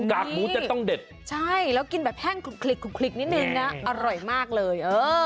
กากหมูจะต้องเด็ดใช่แล้วกินแบบแห้งคลุกนิดนึงนะอร่อยมากเลย